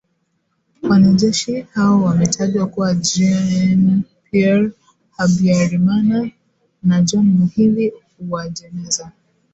Wanajeshi hao wametajwa kuwa Jean Pierre Habyarimana na John Muhindi Uwajeneza.